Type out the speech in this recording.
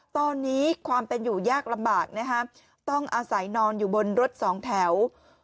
ตอนนี้ความเป็นอยู่ยากลำบากนะครับต้องอาศัยนอนอยู่บนรถสองแถว